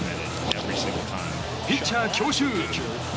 ピッチャー強襲！